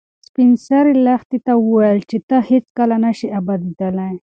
سپین سرې لښتې ته وویل چې ته هیڅکله نه شې ابادېدلی.